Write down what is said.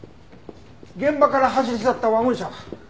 現場から走り去ったワゴン車は？